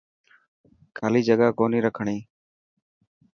خالي جگا ڪوني رکڻي.